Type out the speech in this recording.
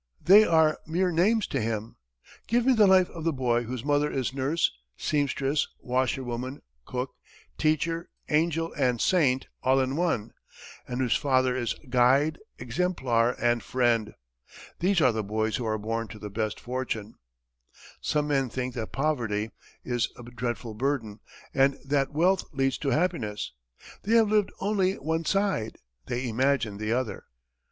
They are mere names to him. Give me the life of the boy whose mother is nurse, seamstress, washerwoman, cook, teacher, angel and saint, all in one, and whose father is guide, exemplar, and friend. These are the boys who are born to the best fortune. Some men think that poverty is a dreadful burden, and that wealth leads to happiness. They have lived only one side; they imagine the other.